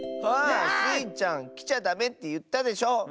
あスイちゃんきちゃダメっていったでしょ。